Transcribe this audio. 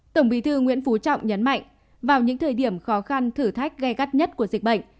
tổng bí thư nguyễn phú trọng nhấn mạnh vào những thời điểm khó khăn thử thách gai gắt nhất của dịch bệnh